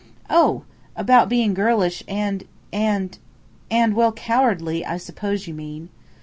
"Oh! about being girlish and and and, well, cowardly, I suppose you mean."